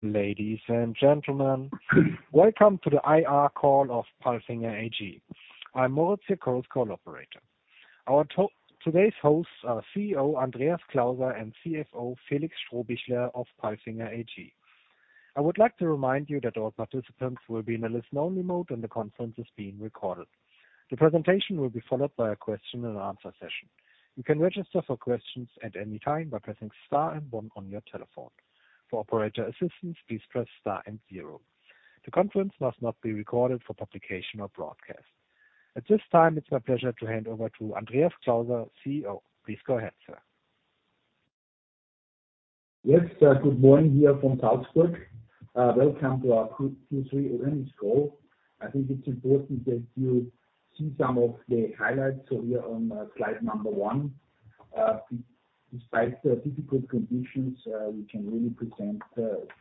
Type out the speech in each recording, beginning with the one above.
Ladies and gentlemen, welcome to the IR Call of PALFINGER AG. I'm Moritz, your call operator. Our today's hosts are CEO, Andreas Klauser and CFO, Felix Strohbichler of PALFINGER AG. I would like to remind you that all participants will be in a listen-only mode, and the conference is being recorded. The presentation will be followed by a question-and-answer session. You can register for questions at any time by pressing star and one on your telephone. For operator assistance, please press star and zero. The conference must not be recorded for publication or broadcast. At this time, it's my pleasure to hand over to Andreas Klauser, CEO. Please go ahead, sir. Yes, good morning here from Salzburg. Welcome to our Q3 earnings call. I think it's important that you see some of the highlights, so here on slide number one. Despite the difficult conditions, we can really present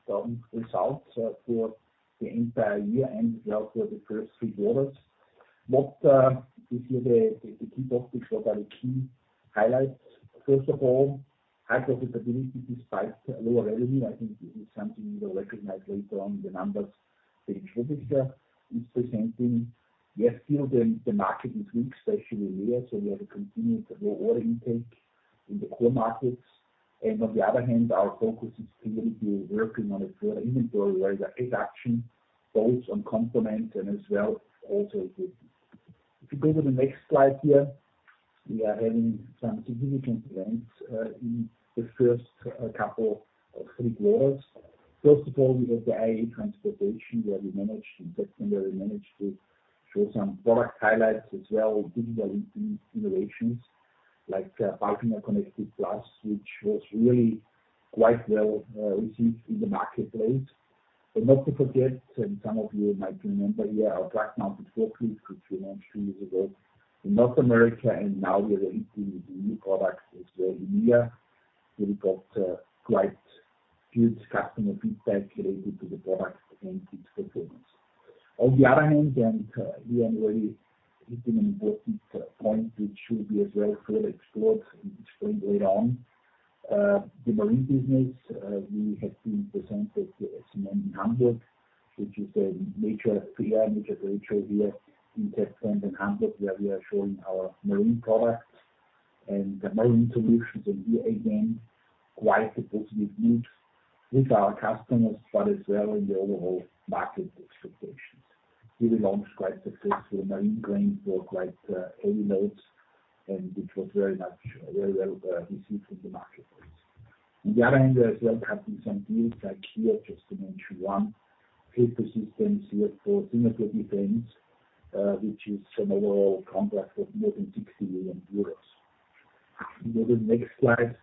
strong results for the entire year and as well for the first three quarters. What you see, the key topics or rather key highlights. First of all, high profitability despite lower revenue. I think this is something you will recognize later on in the numbers Felix Strohbichler is presenting. Yes, still the market is weak, especially in there, so we have a continued low order intake in the core markets. And on the other hand, our focus is really working on a further inventory, where the reduction both on components and as well also good. If you go to the next slide here, we are having some significant events in the first couple of three quarters. First of all, we have the IAA Transportation, where we managed, in that one we managed to show some product highlights as well, digital innovations, like PALFINGER CONNECTED plus+, which was really quite well received in the marketplace. But not to forget, and some of you might remember, yeah, our truck-mounted forklift, which we launched two years ago in North America, and now we are entering the new products as well in here. We got quite huge customer feedback related to the product and its performance. On the other hand, and we are already hitting an important point, which should be as well further explored in extremely long. The Marine business, we have been presented SMM in Hamburg, which is a major player, major show here in Hamburg, where we are showing our Marine products and the Marine solutions. And here, again, quite a positive mood with our customers, but as well in the overall market expectations. We launched quite successful Marine crane for quite eight months, and which was very much, very well received in the marketplace. On the other hand, as well, having some deals like here, just to mention one, PALFINGER Systems here for Singapore Defence, which is an overall contract of more than 60 million euros. Go to the next slide.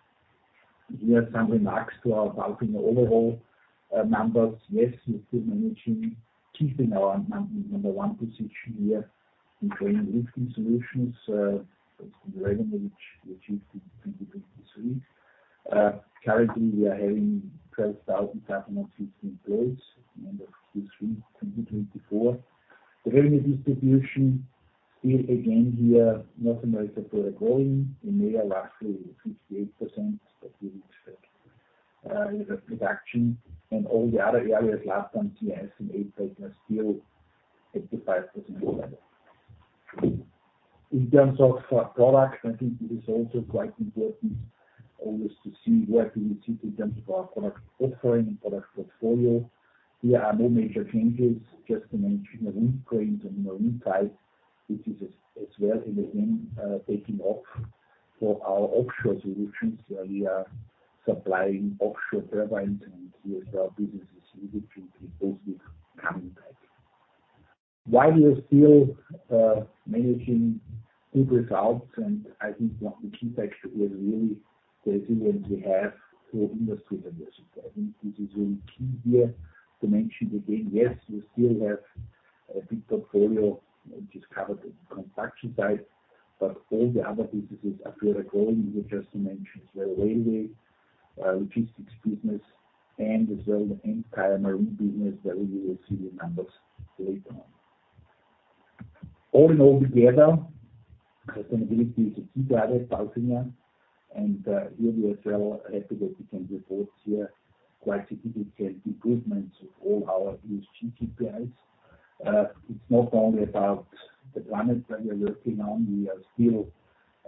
We have some remarks to our PALFINGER overall numbers. Yes, we're still managing, keeping our number one position here in crane and lifting solutions. In revenue, which we achieved in 2023. Currently, we are having 12,760 employees, end of Q3 2024. The revenue distribution, still again here, North America, further growing. EMEA, lastly, 58%, but we expect a reduction. And all the other areas, LATAM, CIS, and APAC are still at the 5% level. In terms of product, I think it is also quite important always to see where we sit in terms of our product offering and product portfolio. There are no major changes, just to mention the wind cranes and the Marine type, which is as well, in the end, taking off for our offshore solutions. We are supplying offshore turbines, and here as well, business is really positively coming back. While we are still managing good results, and I think one of the key factors was really resilient, we have through industry investments. I think this is really key here to mention again, yes, we still have a big portfolio, which is covered at the construction site, but all the other businesses are further growing. We just mentioned as well, railway, logistics business, and as well, the entire Marine business, that we will see the numbers later on. All in all together, sustainability is a key driver at PALFINGER, and here we as well happy that we can report here quite significant improvements of all our ESG KPIs. It's not only about the planet that we are working on, we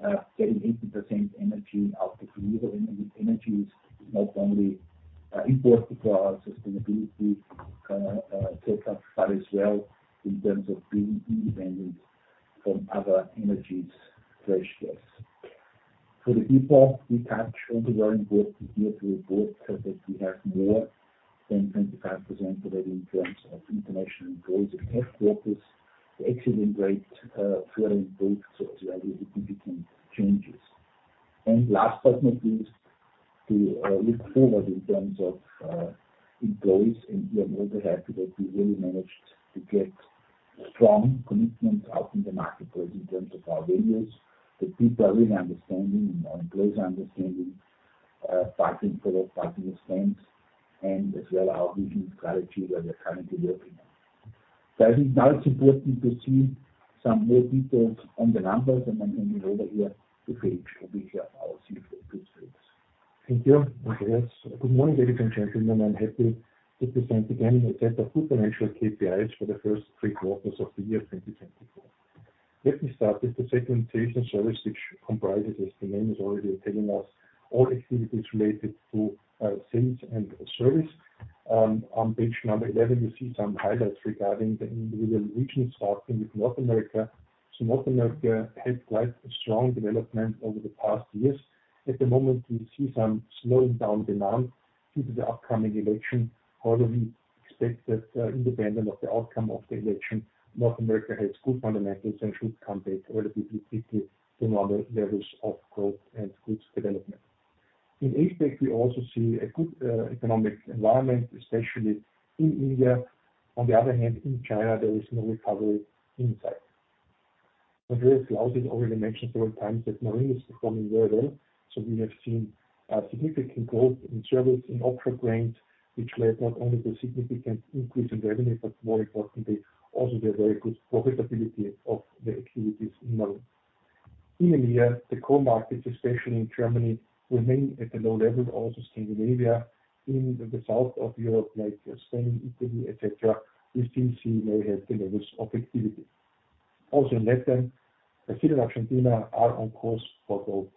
are still getting 80% energy out of renewable energy. Energy is not only important for our sustainability setup, but as well, in terms of being independent from other energy sources. For the people, we touch also very important here to report that we have more than 25% of that in terms of international employees and headquarters. The accident rate further improved, so there are significant changes, and last but not least, to look forward in terms of employees, and we are also happy that we really managed to get strong commitment out in the marketplace in terms of our values. The people are really understanding and our employees are understanding, fighting for their PALFINGER stands, and as well, our vision strategy that we are currently working on, so it is now important to see some more details on the numbers, and then hand it over here to Felix, who will share our view for good sales. Thank you, Andreas. Good morning, ladies and gentlemen. I'm happy to present again a set of good financial KPIs for the first three quarters of the year 2024. Let me start with the Service segment, which comprises, as the name is already telling us, all activities related to sales and service. On page number 11, you see some highlights regarding the individual regions, starting with North America, so North America had quite a strong development over the past years. At the moment, we see some slowing down demand due to the upcoming election, however, we expect that, independent of the outcome of the election, North America has good fundamentals and should come back relatively quickly to normal levels of growth and good development. In APAC, we also see a good economic environment, especially in India. On the other hand, in China, there is no recovery in sight. Andreas Klauser already mentioned several times that Marine is performing very well, so we have seen a significant growth in service in offshore wind, which led not only to a significant increase in revenue, but more importantly, also the very good profitability of the activities in Marine. In EMEA, the core markets, especially in Germany, remain at a low level, also Scandinavia. In the south of Europe, like Spain, Italy, et cetera, we still see very healthy levels of activity. Also in LATAM, Brazil and Argentina are on course for growth.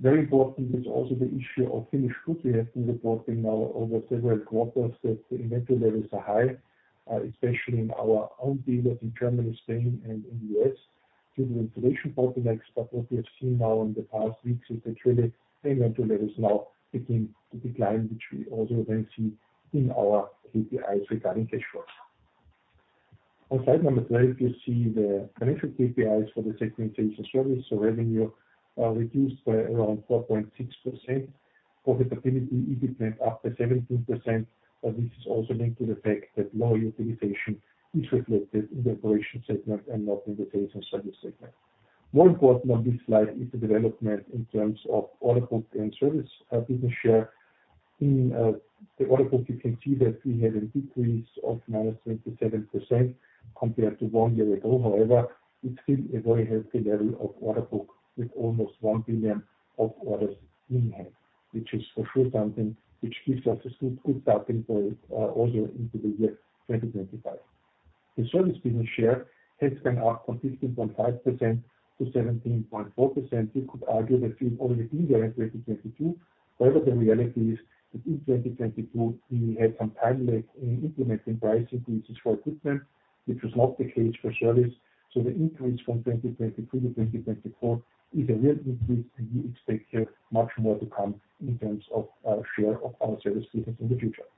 Very important is also the issue of finished goods. We have been reporting now over several quarters that the inventory levels are high, especially in our own dealers in Germany, Spain, and in U.S., due to inflation bottlenecks. But what we have seen now in the past weeks is that really the inventory levels now begin to decline, which we also then see in our KPIs regarding cash flows. On slide number 12, you see the financial KPIs for the segment and service. So revenue reduced by around 4.6%. Profitability, EBIT, went up by 17%, but this is also linked to the fact that low utilization is reflected in the Operations segment and not in the sales and service segment. More important on this slide is the development in terms of order book and service business share. In the order book, you can see that we have a decrease of -27% compared to one year ago. However, it's still a very healthy level of order book with almost 1 billion of orders in hand, which is for sure something which gives us a good, good starting point, also into the year 2025. The service business share has been up from 15.5% to 17.4%. You could argue that we've already been there in 2022, however, the reality is that in 2022, we had some time lag in implementing price increases for equipment, which was not the case for service. So the increase from 2023 to 2024 is a real increase, and we expect here much more to come in terms of, share of our service business in the future.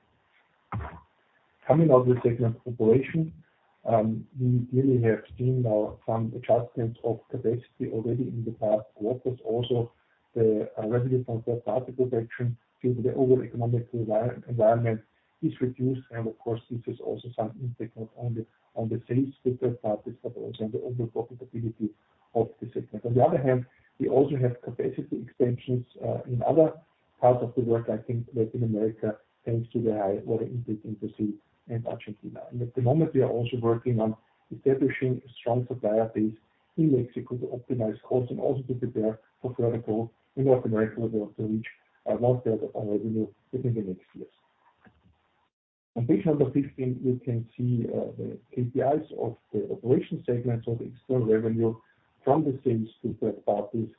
Coming now to the Operations segment, we really have seen now some adjustment of capacity already in the past quarters. Also, the revenue from third-party production due to the overall economic environment is reduced, and of course, this is also some impact, not only on the sales with third parties, but also on the overall profitability of the segment. On the other hand, we also have capacity expansions in other parts of the world. I think Latin America, thanks to the high order intake in Brazil and Argentina, and at the moment, we are also working on establishing a strong supplier base in Mexico to optimize costs and also to prepare for further growth in North America, where we want to reach a lot of our revenue within the next years. On page number 15, you can see the KPIs of the operation segment of the external revenue from the sales to third parties,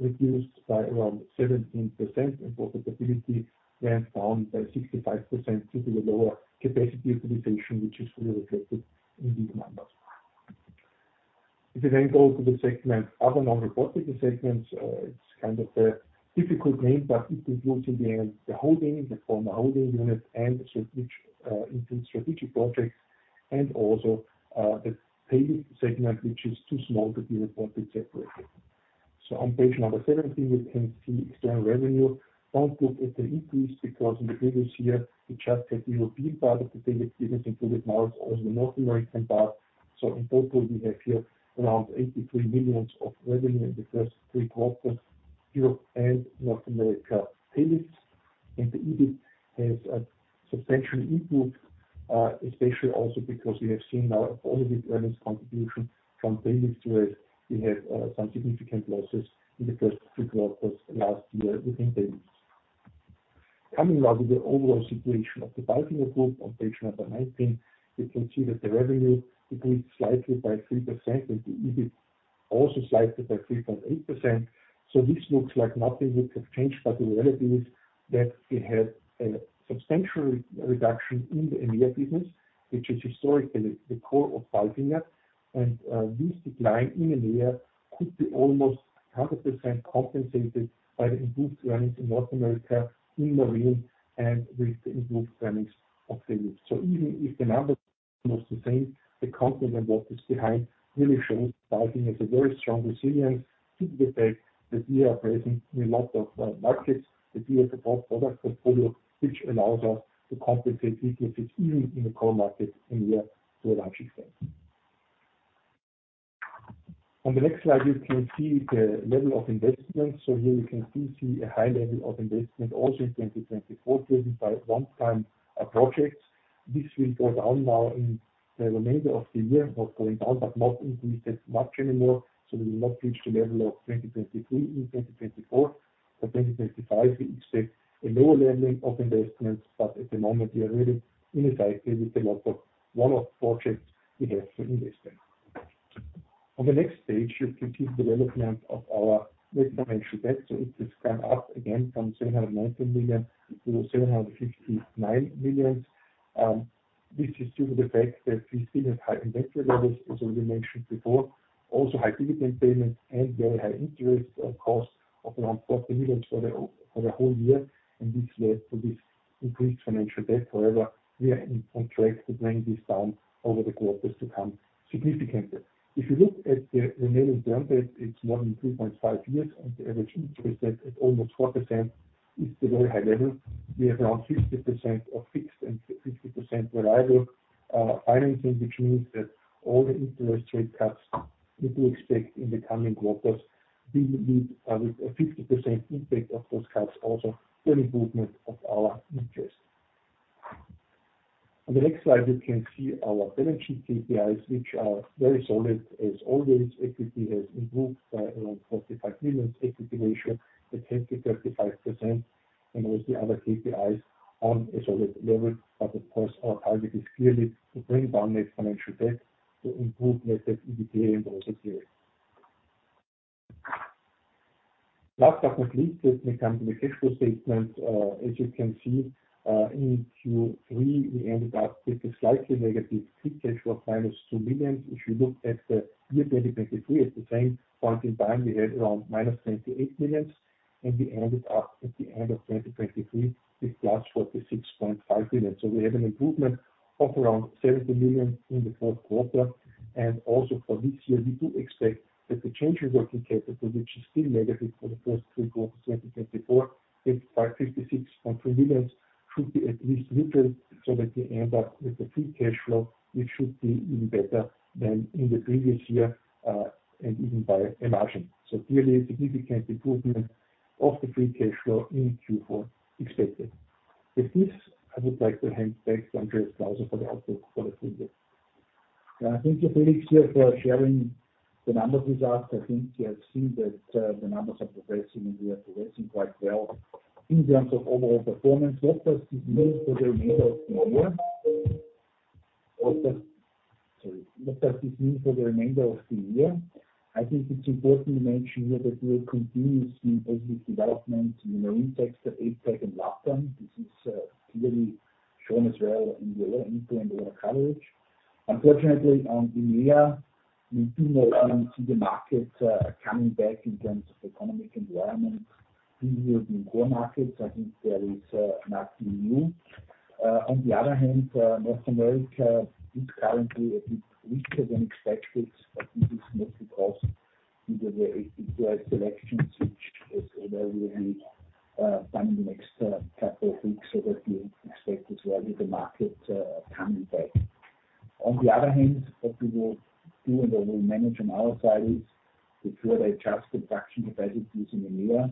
reduced by around 17%, and profitability went down by 65%, due to the lower capacity utilization, which is really reflected in these numbers. If you then go to the segment, other non-reporting segments, it's kind of a difficult name, but it includes, in the end, the holding, the former holding unit, and strategic into strategic projects, and also the Tail Lift segment, which is too small to be reported separately. So on page number 17, you can see external revenue. Don't look at the increase, because in the previous year, we just had the European part of the business, even included now as the North American part. In total, we have here around 83 million of revenue in the first three quarters, Europe and North America segments. The EBIT has substantially improved, especially also because we have seen now a positive earnings contribution from segments, where we had some significant losses in the first three quarters last year within segments. Coming now to the overall situation of the PALFINGER Group on page 19, you can see that the revenue increased slightly by 3%, and the EBIT also slightly by 3.8%. This looks like nothing would have changed. The reality is that we had a substantial reduction in the EMEA business, which is historically the core of PALFINGER. This decline in EMEA could be almost 100% compensated by the improved earnings in North America, in Marine, and with the improved earnings of the group. Even if the number is almost the same, the composition of what is behind really shows PALFINGER has a very strong resilience, due to the fact that we are present in a lot of markets, that we have a broad product portfolio, which allows us to compensate weaknesses, even in the core market EMEA to a large extent. On the next slide, you can see the level of investment. Here you can still see a high level of investment also in 2024, driven by one-time projects. This will go down now in the remainder of the year, not going down, but not increasing much anymore, so we will not reach the level of 2023 in 2024. For 2025, we expect a lower level of investments, but at the moment, we are really in a cycle with a lot of one-off projects we have to invest in. On the next page, you can see the development of our net financial debt. So it has gone up again from 719 million to 759 million. This is due to the fact that we still have high inventory levels, as already mentioned before. Also high dividend payments and very high interest costs of around EUR 40 million for the whole year, and this led to this increased financial debt. However, we are on track to bring this down over the quarters to come significantly. If you look at the remaining term debt, it's more than 2.5 years, and the average interest rate at almost 4% is a very high level. We have around 60% of fixed and 60% variable financing, which means that all the interest rate cuts we do expect in the coming quarters, we need, with a 50% impact of those cuts, also the improvement of our interest. On the next slide, you can see our balance sheet KPIs, which are very solid. As always, equity has improved by around 45 million. Equity ratio to 35%, and all the other KPIs on a solid level. But of course, our target is clearly to bring down the financial debt to improve net debt to EBITDA and also clear. Last but not least, as we come to the fiscal statement, as you can see, in Q3, we ended up with a slightly negative free cash flow of -2 million. If you look at the year 2023, at the same point in time, we had around -28 million, and we ended up at the end of 2023 with +46.5 million. So we have an improvement of around 70 million in the fourth quarter. And also for this year, we do expect that the change in working capital, which is still negative for the first three quarters, 2024, it's by 56.3 million, should be at least neutral, so that we end up with the free cash flow, which should be even better than in the previous year, and even by a margin. Clearly a significant improvement of the free cash flow in Q4 expected. With this, I would like to hand back to Andreas Klauser for the outlook for the full year. Thank you, Felix, here, for sharing the numbers with us. I think you have seen that, the numbers are progressing, and we are progressing quite well in terms of overall performance. What does this mean for the remainder of the year? Sorry. What does this mean for the remainder of the year? I think it's important to mention here that we are continuing to see positive development in the main markets of APAC and LATAM. This is, clearly shown as well in the order input and order coverage. Unfortunately, on EMEA, we do not see the market, coming back in terms of economic environment. We will be in core markets. I think there is not new. On the other hand, North America is currently a bit weaker than expected, but this is mostly caused due to the election switch as we have done in the next couple of weeks. So that we expect as well with the market coming back. On the other hand, what we will do, and what we manage on our side, is we put a just-in-time production capacities in EMEA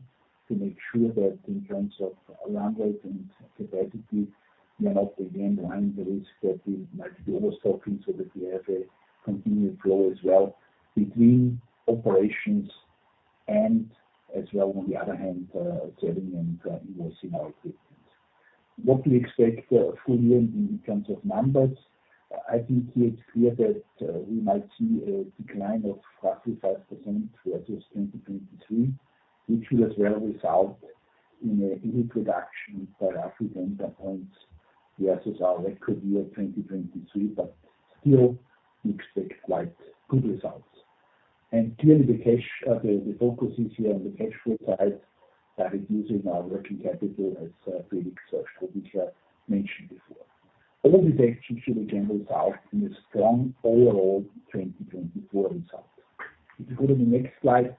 to make sure that in terms of run rate and capacity, we are not again running the risk that we might be overstocking, so that we have a continued flow as well between operations and as well, on the other hand, selling and investing our equipment. What we expect, fully in terms of numbers, I think it's clear that, we might see a decline of roughly 5% versus 2023, which will as well result in a reduction by roughly 10 points. Yes, as our record year, 2023, but still we expect quite good results. And clearly, the cash, the focus is here on the cash flow side, reducing our working capital, as Felix mentioned before. All of these actions should again result in a strong overall 2024 result. If you go to the next slide,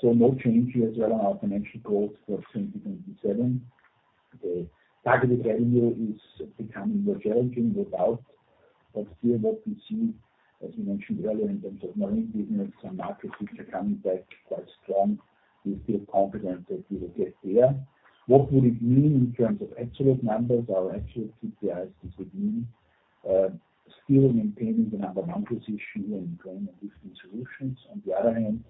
so no change here as well on our financial goals for 2027. The targeted revenue is becoming more challenging without. But here, what we see, as we mentioned earlier, in terms of mining business and markets, which are coming back quite strong, we feel confident that we will get there. What would it mean in terms of absolute numbers? Our absolute KPIs, this would mean, still maintaining the number one position in crane and lifting solutions. On the other hand,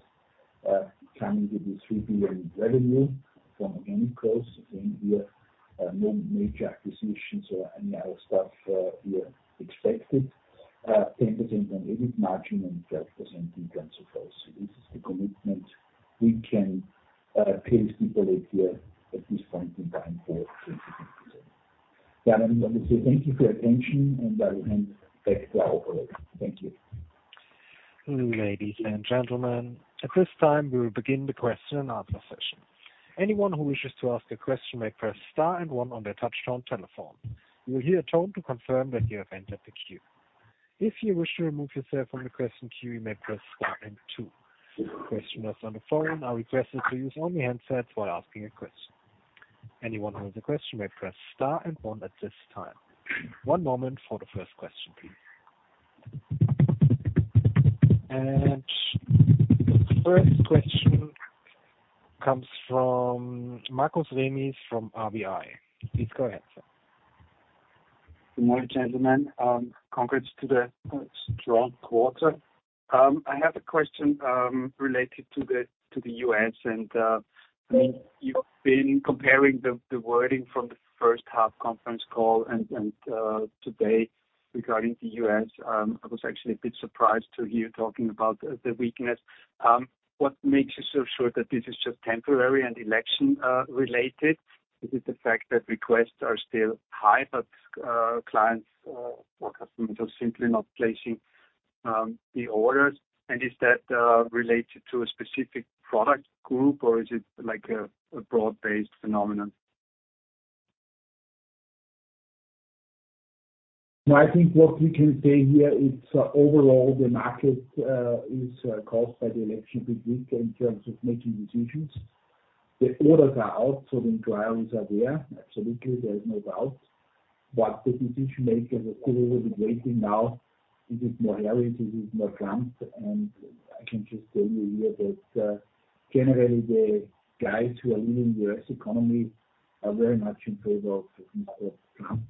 coming to the 3 billion revenue from organic growth, again, we have, no major acquisitions or any other stuff, we are expected. 10% on EBIT margin and 12% in terms of growth. So this is the commitment we can make to the people here at this point in time for 2027. Yeah, and I want to say thank you for your attention, and I will hand back to our operator. Thank you. Ladies and gentlemen, at this time, we will begin the question-and-answer session. Anyone who wishes to ask a question may press star and one on their touchtone telephone. You will hear a tone to confirm that you have entered the queue. If you wish to remove yourself from the question queue, you may press star and two. Questioners on the phone are requested to use only handsets while asking a question. Anyone who has a question may press star and one at this time. One moment for the first question, please. And the first question comes from Markus Remis from RBI. Please go ahead, sir. Good morning, gentlemen. Congrats to the strong quarter. I have a question related to the U.S. and I mean, you've been comparing the wording from the first half conference call and today regarding the U.S. I was actually a bit surprised to hear you talking about the weakness. What makes you so sure that this is just temporary and election related? Is it the fact that requests are still high, but clients or customers are simply not placing the orders? And is that related to a specific product group, or is it like a broad-based phenomenon? I think what we can say here is, overall, the market is caused by the election this week in terms of making decisions. The orders are out, so the trials are there. Absolutely, there is no doubt. But the decision-makers are still a little bit waiting now. Is it more Hillary, is it more Trump? And I can just tell you here that, generally, the guys who are leading the U.S. economy are very much in favor of Mr. Trump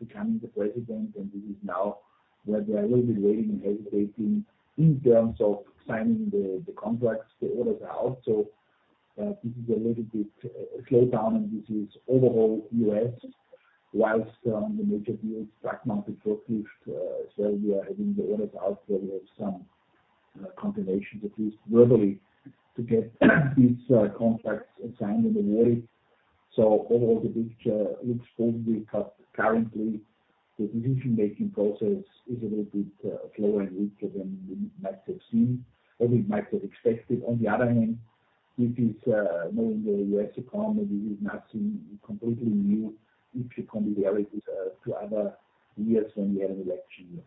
becoming the president, and this is now where they are a little bit waiting and hesitating in terms of signing the contracts. The orders are out, so this is a little bit slowed down, and this is overall U.S., while the major deals, truck market, so we are having the orders out, where we have some confirmations, at least verbally, to get these contracts signed in the near. So overall, the picture looks probably, but currently, the decision-making process is a little bit slower and weaker than we might have seen, or we might have expected. On the other hand, this is knowing the U.S. economy, this is nothing completely new. If you compare this to other years when we had election years.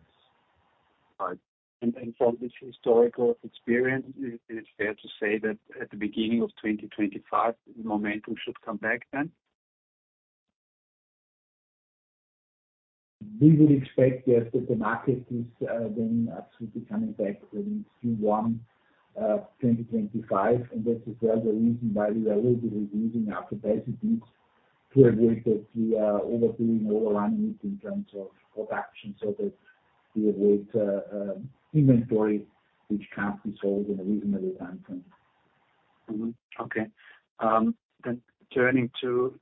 Right, and from this historical experience, is it fair to say that at the beginning of 2025, the momentum should come back then? We would expect, yes, that the market is then absolutely coming back in Q1 2025, and that is the other reason why we are a little bit reducing our capacities to a rate that we are overdoing, overrunning it in terms of action, so that we avoid inventory, which can't be sold in a reasonable time frame. Mm-hmm. Okay. Then turning to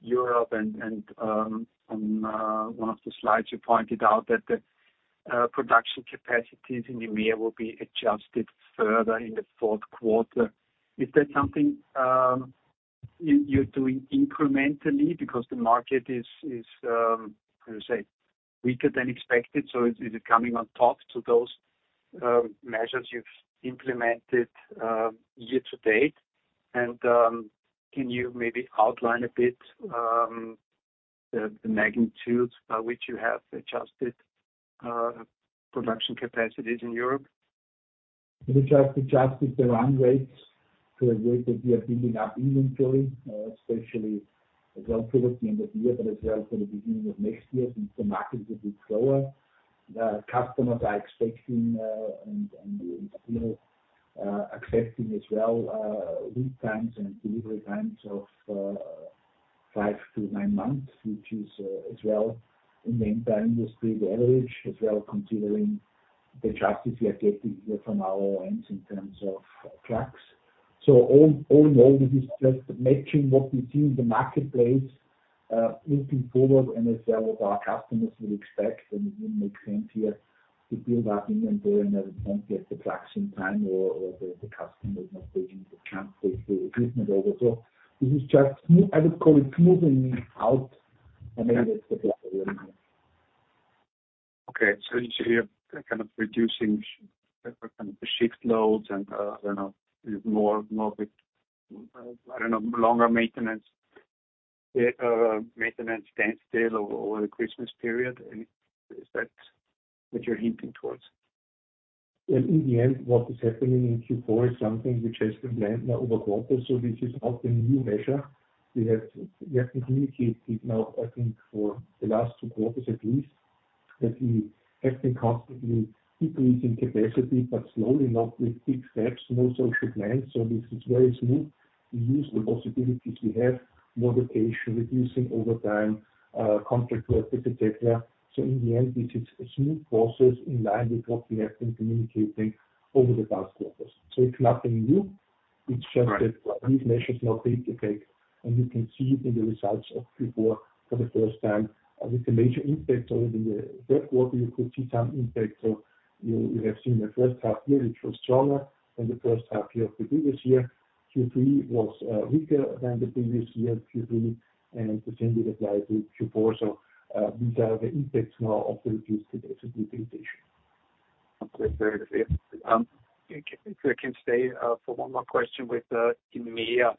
Europe and on one of the slides, you pointed out that the production capacities in EMEA will be adjusted further in the fourth quarter. Is that something you're doing incrementally because the market is weaker than expected? So is it coming on top to those measures you've implemented year-to-date? And can you maybe outline a bit the magnitudes by which you have adjusted production capacities in Europe? We just adjusted the run rates to a rate that we are building up inventory, especially as well for the end of the year, but as well for the beginning of next year, since the market is a bit slower. Customers are expecting and you know accepting as well lead times and delivery times of five to nine months, which is as well in the entire industry the average as well considering the adjustments we are getting here from our ends in terms of trucks. So all in all this is just matching what we see in the marketplace looking forward and as well as our customers would expect, and it wouldn't make sense here to build up inventory and then don't get the traction time or the customer is not taking the equipment over. So this is just. I would call it smoothing out, and then it's the delivery. Okay. So you say you're kind of reducing the shift loads and, I don't know, more with longer maintenance standstill over the Christmas period. And is that what you're hinting towards? In the end, what is happening in Q4 is something which has been planned over quarter, so this is not a new measure. We have communicated now, I think, for the last two quarters at least, that we have been constantly decreasing capacity, but slowly, not with big steps, no social plans. So this is very smooth. We use the possibilities we have, moderation, reducing overtime, contract work, et cetera. So in the end, this is a smooth process in line with what we have been communicating over the past quarters. So it's nothing new. Right. It's just that these measures now take effect, and you can see it in the results of Q4 for the first time, with a major impact over the third quarter. You could see some impact. So you have seen the first half year, which was stronger than the first half year of the previous year. Q3 was weaker than the previous year, Q3, and the same would apply to Q4. So these are the impacts now of the reduced capacity. If I can stay for one more question within EMEA.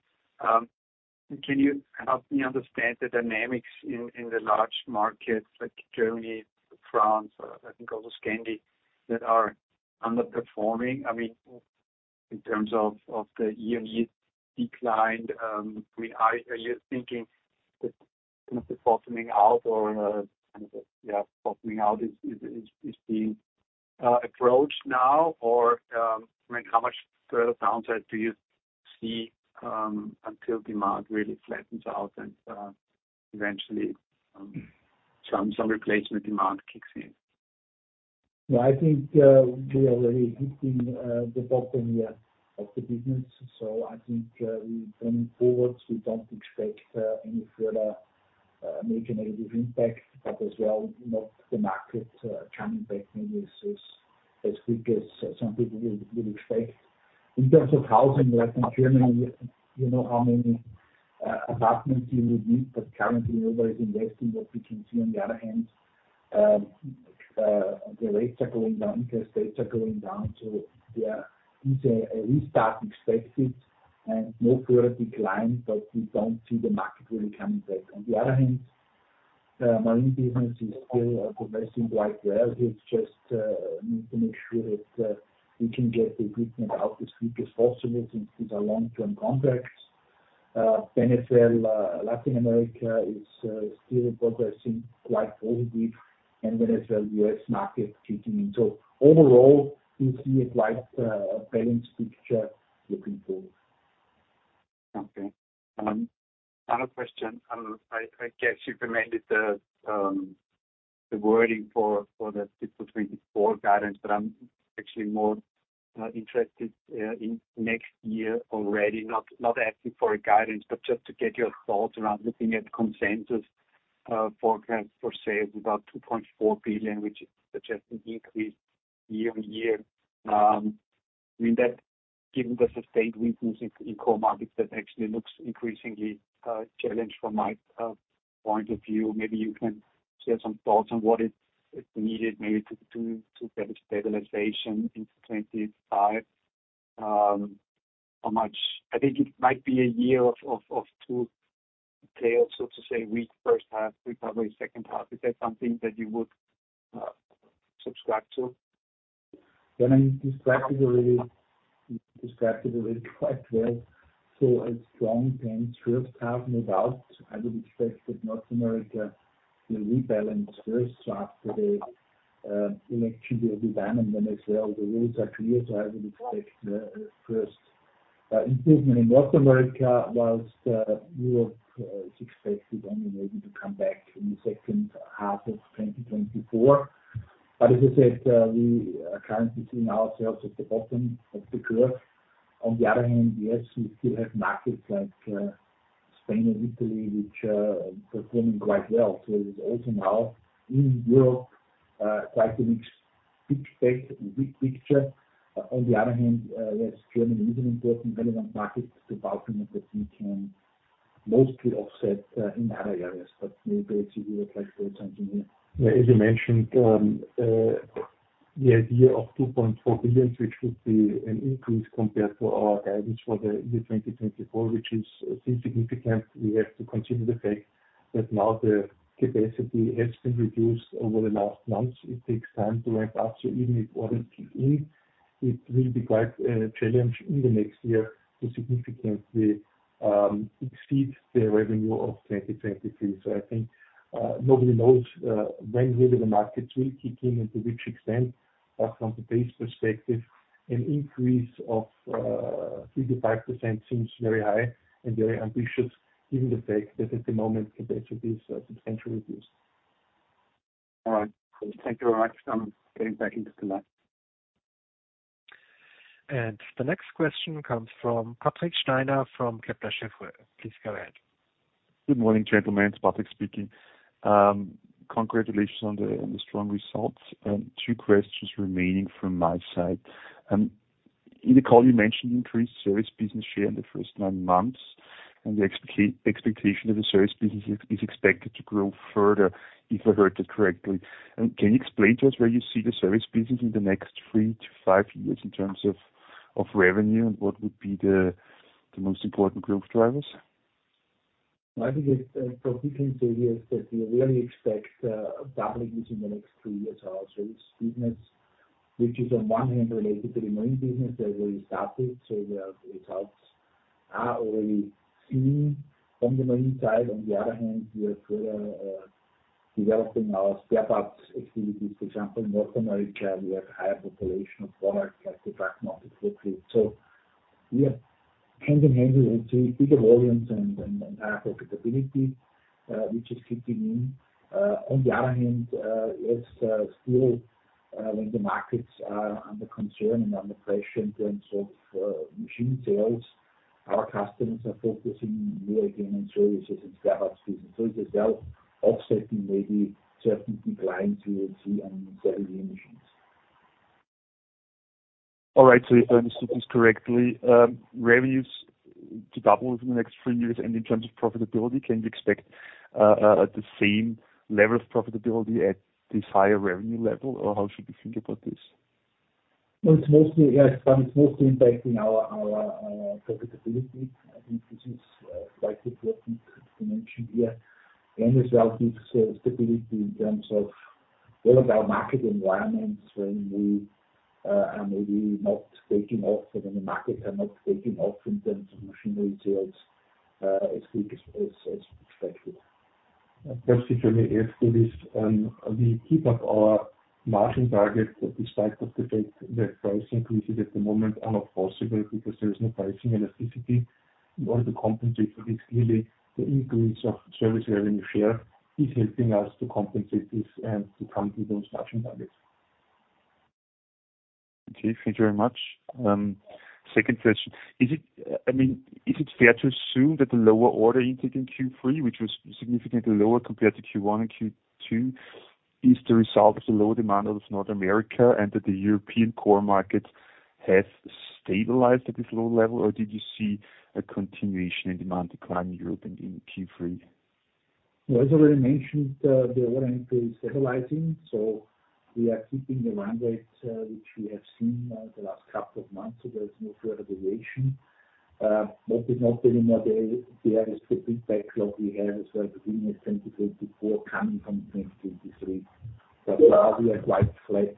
Can you help me understand the dynamics in the large markets like Germany, France, I think also Scandy, that are underperforming? I mean in terms of the year decline, are you thinking that bottoming out or yeah, bottoming out is the approach now? Or I mean, how much further downside do you see until demand really flattens out and eventually some replacement demand kicks in? I think we are already hitting the bottom year of the business, so I think we moving forward, we don't expect any further major negative impact, but as well, not the market coming back maybe as quick as some people would expect. In terms of housing, like in Germany, you know, how many apartments you would need, but currently nobody is investing, but we can see on the other hand, the rates are going down, interest rates are going down. Yeah, a restart is expected and no further decline, but we don't see the market really coming back. On the other hand, Marine business is still progressing quite well. It's just need to make sure that we can get the equipment out as quick as possible since these are long-term contracts. Then as well, Latin America is still progressing quite positive, and then as well, U.S. market kicking in. So overall, we see it like a balanced picture looking forward. Okay. Another question, I guess you commented the wording for the 2024 guidance, but I'm actually more interested in next year already. Not asking for a guidance, but just to get your thoughts around looking at consensus forecast for sales, about 2.4 billion, which is suggesting increase year-on-year. I mean, that given the sustained weakness in core markets, that actually looks increasingly challenged from my point of view. Maybe you can share some thoughts on what is needed maybe to get a stabilization in 2025. How much-- I think it might be a year of two tails, so to say, weak first half, recovery second half. Is that something that you would subscribe to? Then I described it already quite well. So a strong trend, first half, no doubt. I would expect that North America will rebalance first after the election will be done, and then I say all the rules are clear. So I would expect a first improvement in North America while Europe is expected only maybe to come back in the second half of 2024. But as I said, we are currently seeing ourselves at the bottom of the curve. On the other hand, yes, we still have markets like Spain and Italy, which are performing quite well. So it is also now in Europe trying to make a comeback. Big picture. On the other hand, yes, Germany is an important relevant market to balancing, and that we can mostly offset in other areas, but maybe you would like to add something here. Yeah, as you mentioned, the idea of 2.4 billion, which would be an increase compared to our guidance for the year 2024, which is significant. We have to consider the fact that now the capacity has been reduced over the last months. It takes time to ramp up, so even if orders kick in, it will be quite challenged in the next year to significantly exceed the revenue of 2023. So I think, nobody knows, when really the markets will kick in and to which extent, but from today's perspective, an increase of 3%-5% seems very high and very ambitious, given the fact that at the moment, capacity is substantially reduced. All right. Thank you very much. I'm getting back into the line. The next question comes from Patrick Steiner, from Kepler Cheuvreux. Please go ahead. Good morning, gentlemen, Patrick speaking. Congratulations on the strong results, and two questions remaining from my side. In the call you mentioned increased service business share in the first nine months, and the expectation of the service business is expected to grow further, if I heard that correctly. Can you explain to us where you see the service business in the next three to five years in terms of revenue and what would be the most important growth drivers? I think it probably can say here is that we really expect doubling within the next two years. Our service business, which is on one hand related to the main business that already started, so the results are already seen from the main side. On the other hand, we are further developing our spare parts activities. For example, North America, we have higher population of products like the truck-mounter fleet. So we are hand in hand with the bigger volumes and higher profitability which is kicking in. On the other hand, as still when the markets are under concern and under pressure in terms of machine sales, our customers are focusing more again on services and spare parts business. So as well, offsetting maybe certain declines you will see on certain segments. All right. So if I understood this correctly, revenues to double within the next three years, and in terms of profitability, can we expect the same level of profitability at this higher revenue level, or how should we think about this? It's mostly, yes, but it's mostly impacting our profitability. I think this is likely to happen, as we mentioned here, and as well gives stability in terms of- What about market environments when we are maybe not taking off or when the markets are not taking off in terms of machinery sales, as quick as expected? Specifically, if there is, we keep up our margin target, despite of the fact that price increases at the moment are not possible because there is no pricing elasticity. In order to compensate for this, clearly the increase of service revenue share is helping us to compensate this and to come to those margin targets. Okay, thank you very much. Second question: Is it, I mean, is it fair to assume that the lower order intake in Q3, which was significantly lower compared to Q1 and Q2, is the result of the low demand out of North America, and that the European core market has stabilized at this low level? Or did you see a continuation in demand decline in Europe and in Q3? As already mentioned, the order intake is stabilizing, so we are keeping the run rate, which we have seen, the last couple of months. There is no further deviation. What is not anymore there, we have a specific backlog we have as well, beginning of 2024, coming from 2023. But now we are quite flat,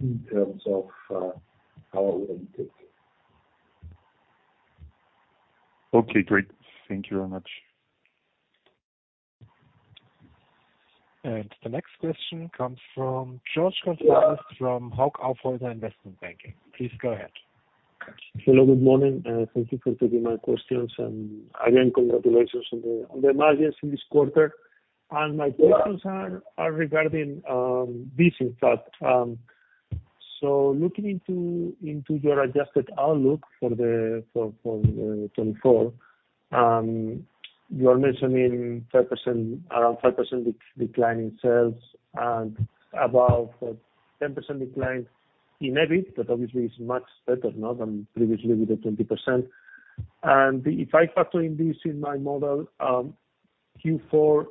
in terms of, our order intake. Okay, great. Thank you very much. And the next question comes from Jorge González, from Hauck Aufhäuser Investment Banking. Please go ahead. Hello, good morning, and thank you for taking my questions. Again, congratulations on the margins in this quarter. My questions are regarding this, in fact. So looking into your adjusted outlook for 2024, you are mentioning around 5% decline in sales and about 10% decline in EBIT. That obviously is much better now than previously with the 20%. And if I factor this in my model, Q4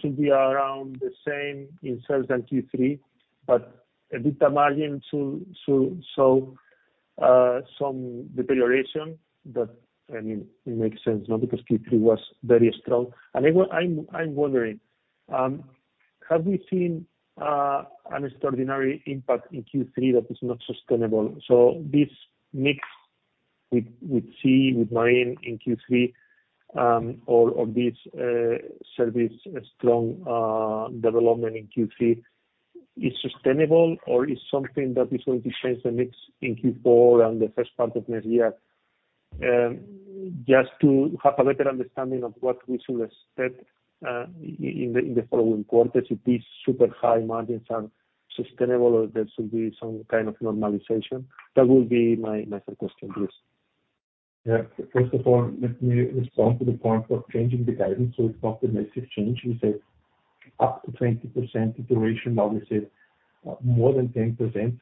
should be around the same in sales than Q3, but a bit the margin should show some deterioration. But, I mean, it makes sense, not because Q3 was very strong. I mean, what I'm wondering, have we seen an extraordinary impact in Q3 that is not sustainable? This mix with SEA with Marine in Q3 or this service a strong development in Q3 is sustainable or is something that is going to change the mix in Q4 and the first part of next year? Just to have a better understanding of what we should expect in the following quarters, if these super high margins are sustainable or there should be some kind of normalization. That will be my third question, please. Yeah. First of all, let me respond to the point of changing the guidance. So it's not a massive change. We said up to 20% deterioration. Now we say more than 10%.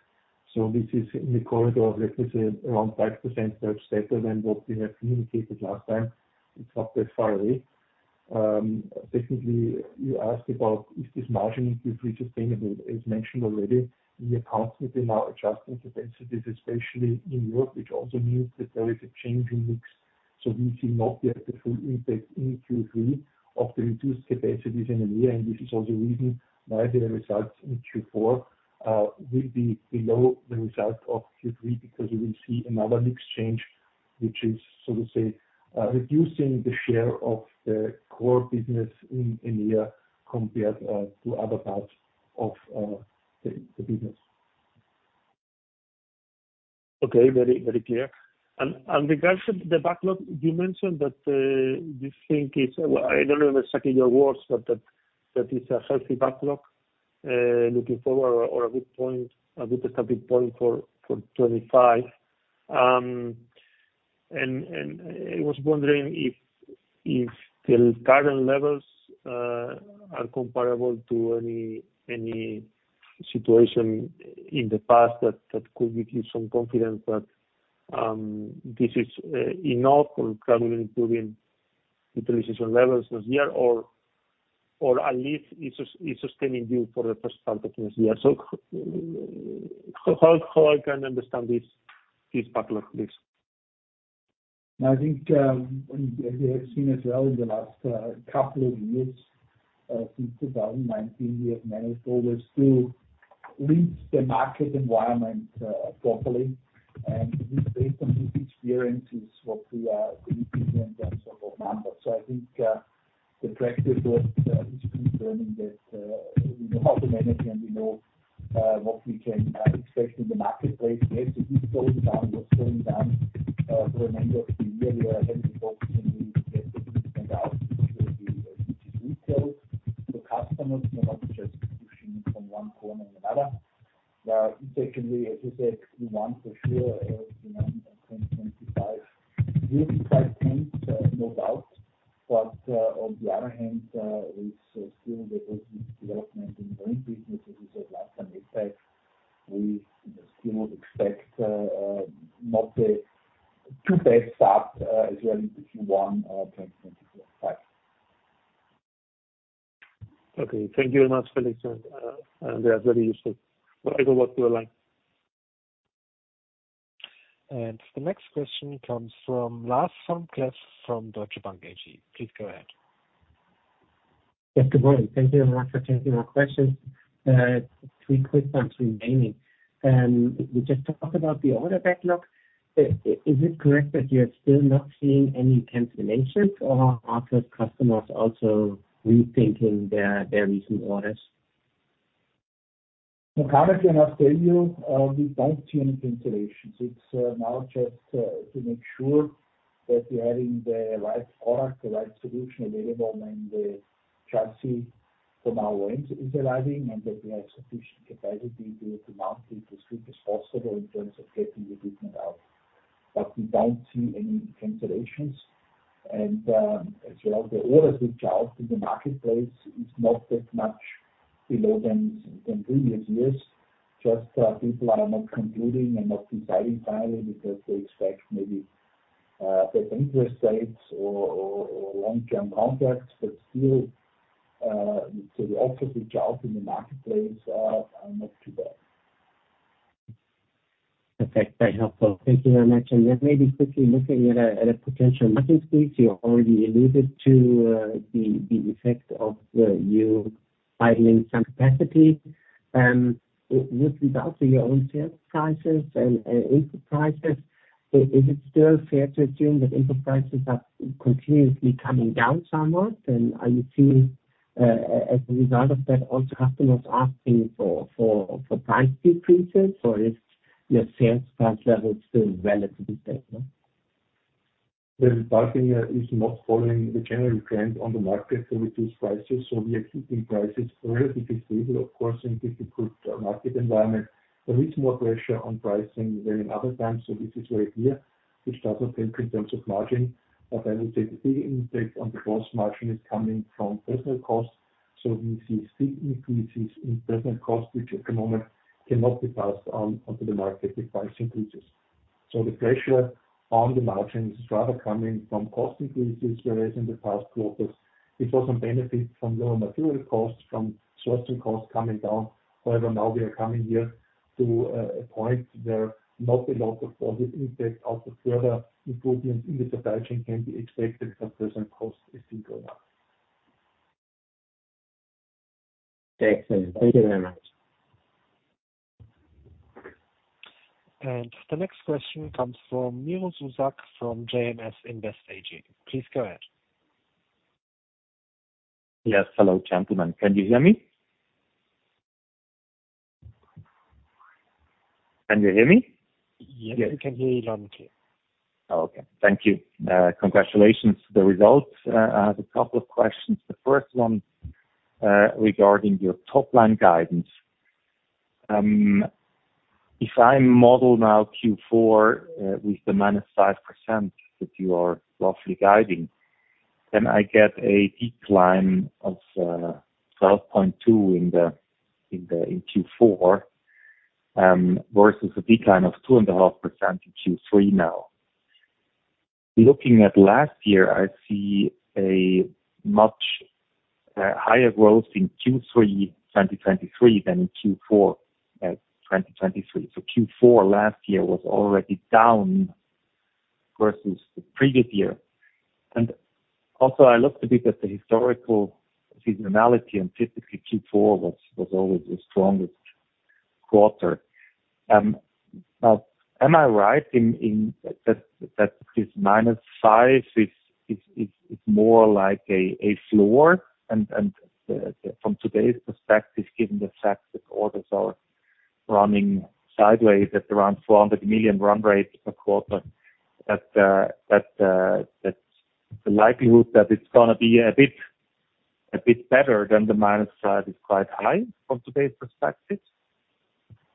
So this is in the corridor of, let me say, around 5%, much better than what we had communicated last time. It's not that far away. Basically, you asked about if this margin in Q3 sustainable. As mentioned already, we are constantly now adjusting capacities, especially in Europe, which also means that there is a change in mix. So we see not yet the full impact in Q3 of the reduced capacities in the year, and this is also the reason why the results in Q4 will be below the result of Q3. Because we will see another mix change, which is, so to say, reducing the share of the core business in the year, compared to other parts of the business. Okay. Very, very clear, and regards to the backlog, you mentioned that you think it's, well, I don't know exactly your words, but that is a healthy backlog, looking forward or a good point, a good starting point for 2025, and I was wondering if the current levels are comparable to any situation in the past that could give you some confidence that this is enough for probably improving utilization levels this year, or at least is sustaining you for the first part of next year, so how I can understand this backlog, please? I think, as you have seen as well in the last couple of years, since 2019, we have managed always to read the market environment, properly, and based on this experience is what we are believing in terms of numbers, so I think the track record is concerning that we know how to manage it, and we know what we can expect in the marketplace. Yes, it is going down, what's going down for the end of the year, we are having talks in the business and which is retail. The customers, you know, obviously are switching from one corner to another. Essentially, as you said, we want for sure, you know, in 2025, will be quite flat, no doubt. But, on the other hand, with still the growth and development in the wind business, which is a larger impact, we still expect not a too bad start, as well in Q1 of 2025. Okay. Thank you very much, Felix, and that's very useful. Whatever works for you well. And the next question comes from Lars Vom-Cleff from Deutsche Bank AG. Please go ahead. Yes, good morning. Thank you very much for taking my questions. Three quick ones remaining. We just talked about the order backlog. Is it correct that you're still not seeing any cancellations, or are those customers also rethinking their recent orders? Currently, can I tell you, we don't see any cancellations. It's now just to make sure that we're adding the right product, the right solution available when the chassis from our end is arriving, and that we have sufficient capacity to mount it as quick as possible in terms of getting the equipment out. But we don't see any cancellations. As well, the orders reach out to the marketplace is not that much below than previous years. Just people are not concluding and not deciding finally, because they expect maybe better interest rates or long-term contracts. But still, the offers reach out in the marketplace are not too bad. Perfect. Very helpful. Thank you very much. And then maybe quickly looking at a potential margin squeeze, you already alluded to, the effect of you idling some capacity. With regard to your own sales prices and input prices, is it still fair to assume that input prices are continuously coming down somewhat? And are you seeing, as a result of that, also customers asking for price decreases, or is your sales price level still relatively stable? The bargaining is not following the general trend on the market to reduce prices, so we are keeping prices relatively stable, of course, in difficult market environment. There is more pressure on pricing than in other times, so this is very clear, which doesn't help in terms of margin. But I would say the big impact on the gross margin is coming from personnel costs. So we see steep increases in personnel costs, which at the moment cannot be passed on to the market with price increases. So the pressure on the margins is rather coming from cost increases, whereas in the past quarters, we saw some benefit from lower material costs, from sourcing costs coming down. However, now we are coming here to a point where not a lot of positive impact out of further improvements in the supply chain can be expected, as personnel cost is still going up. Excellent. Thank you very much. The next question comes from Miro Zuzak, from JMS Invest AG. Please go ahead. Yes. Hello, gentlemen. Can you hear me? Can you hear me? Yes, we can hear you loud and clear. Oh, okay. Thank you. Congratulations to the results. I have a couple of questions. The first one, regarding your top line guidance. If I model now Q4, with the -5% that you are roughly guiding, then I get a decline of 12.2% in the Q4, versus a decline of 2.5% in Q3 now. Looking at last year, I see a much higher growth in Q3 2023 than in Q4 2023. So Q4 last year was already down versus the previous year. And also, I looked a bit at the historical seasonality, and typically Q4 was always the strongest quarter. Now, am I right in that this -5% is more like a floor? From today's perspective, given the fact that orders are running sideways at around 400 million run rate per quarter, that the likelihood that it's gonna be a bit better than the -5% is quite high from today's perspective?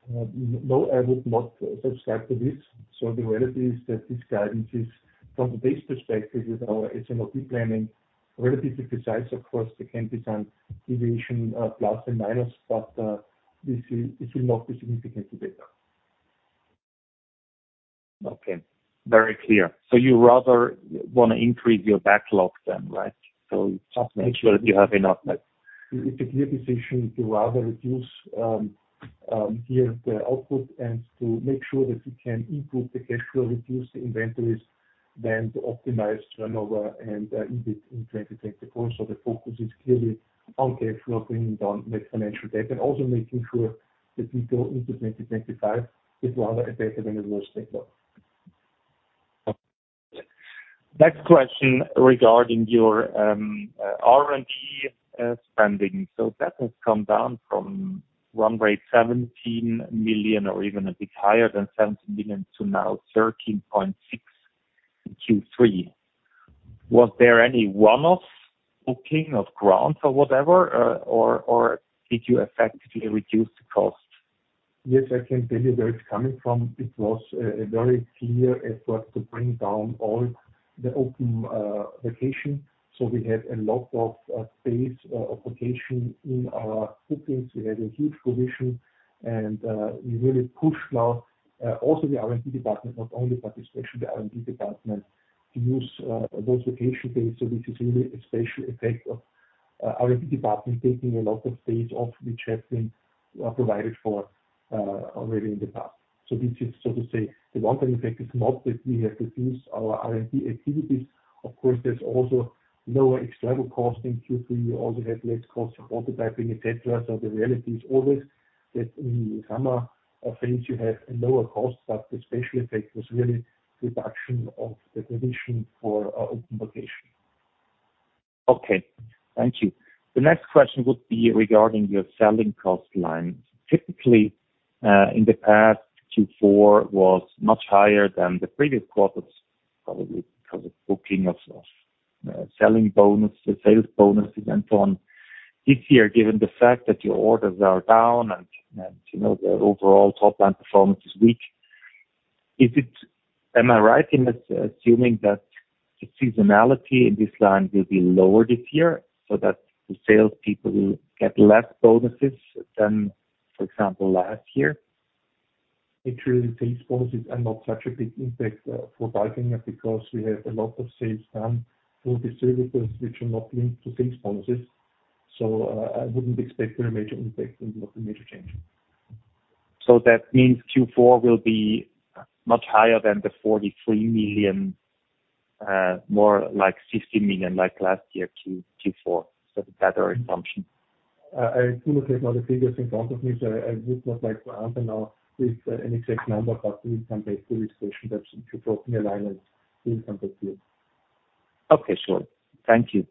No, I would not subscribe to this, so the reality is that this guidance is from today's perspective, with our S&OP planning, relatively precise. Of course, there can be some deviation, plus and minus, but this will not be significantly better. Okay. Very clear. So you rather wanna increase your backlog then, right? So just make sure that you have enough left. It's a clear decision to rather reduce here the output, and to make sure that we can improve the cash flow, reduce the inventories, then to optimize turnover and EBIT in 2024, so the focus is clearly on cash flow, bringing down net financial debt, and also making sure that we go into 2025 with rather a better than a worse backlog. Next question regarding your R&D spending. So that has come down from run rate 17 million, or even a bit higher than 17 million, to now 13.6 million in Q3. Was there any one-off booking of grants or whatever, or did you effectively reduce the cost? Yes, I can tell you where it's coming from. It was a very clear effort to bring down all the open vacation. So we had a lot of days of vacation in our bookings. We had a huge provision, and we really pushed now also the R&D department, not only but especially the R&D department, to use those vacation days. So this is really a special effect of R&D department taking a lot of time off, which has been provided for already in the past. So this is so to say, the long term effect is not that we have reduced our R&D activities. Of course, there's also lower external costs in Q3. We also have less cost of prototyping, et cetera. So the reality is always that in the summer phase, you have a lower cost, but the special effect was really reduction of the provision for open vacation. Okay, thank you. The next question would be regarding your selling cost line. Typically, in the past Q4 was much higher than the previous quarters, probably because of booking of selling bonuses, sales bonuses, and so on. This year, given the fact that your orders are down and you know, the overall top line performance is weak, is it? Am I right in assuming that the seasonality in this line will be lower this year, so that the sales people will get less bonuses than, for example, last year? It's really sales bonuses are not such a big impact for PALFINGER, because we have a lot of sales done through the services which are not linked to sales bonuses. So, I wouldn't expect a major impact and not a major change. So that means Q4 will be much higher than the 43 million, more like 60 million, like last year, Q4, so the better assumption? I do not have all the figures in front of me, so I would not like to answer now with an exact number, but we can make the estimation that Q4 in alignment will come back to you. Okay, sure. Thank you.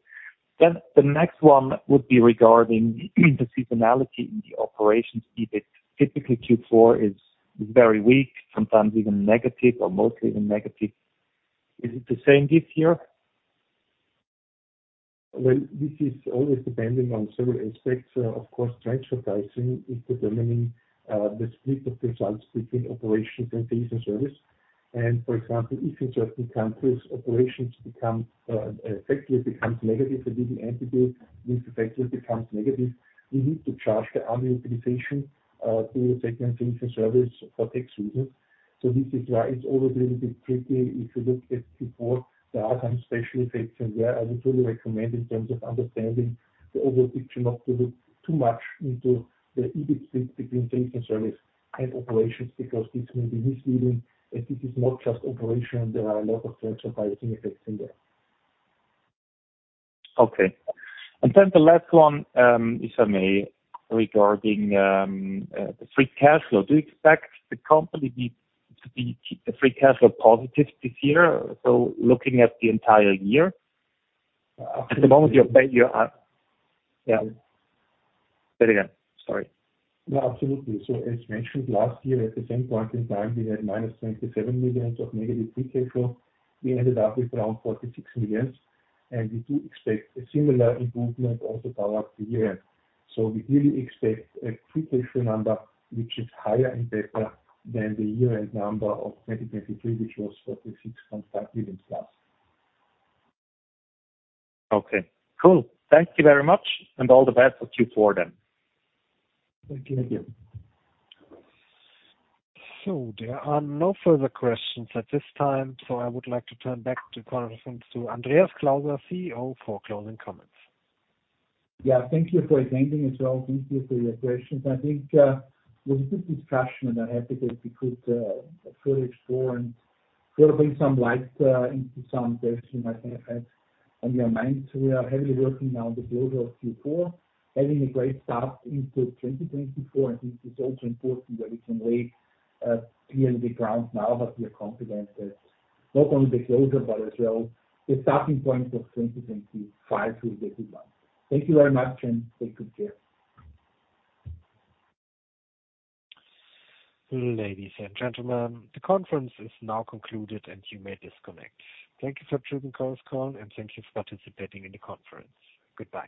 Then the next one would be regarding the seasonality in the operations EBIT. Typically Q4 is very weak, sometimes even negative, or mostly even negative. Is it the same this year? Well, this is always depending on several aspects. Of course, transfer pricing is determining the split of results between operations and leasing service. And for example, if in certain countries, operations become effectively becomes negative, the legal entity effectively becomes negative, we need to charge the underutilization to the segment service for tax reasons. So this is why it's always a little bit tricky. If you look at before, there are some special effects, and where I would really recommend in terms of understanding the overall picture, not to look too much into the EBIT split between sales and service and operations, because this may be misleading, and this is not just operation. There are a lot of transfer pricing effects in there. Okay, and then the last one, if I may, regarding the free cash flow. Do you expect the company to be free cash flow positive this year, so looking at the entire year? At the moment, you're Yeah. Say it again, sorry. No, absolutely. So as mentioned, last year, at the same point in time, we had -27 million of negative free cash flow. We ended up with around 46 million, and we do expect a similar improvement also throughout the year. So we really expect a free cash flow number, which is higher and better than the year-end number of 2023, which was 46.5 million+. Okay, cool. Thank you very much and all the best for Q4 then. Thank you. So there are no further questions at this time. So I would like to turn back to conference to Andreas Klauser, CEO, for closing comments. Yeah, thank you for attending as well. Thank you for your questions. I think it was a good discussion, and I'm happy that we could fully explore and sort of bring some light into some questions you might have had on your mind. So we are heavily working now on the build of Q4, having a great start into 2024, and this is also important that we can lay clearly the ground now, that we are confident that not only the closure, but as well, the starting point of 2025 will get done. Thank you very much, and take good care. Ladies and gentlemen, the conference is now concluded, and you may disconnect. Thank you for choosing Chorus Call, and thank you for participating in the conference. Goodbye.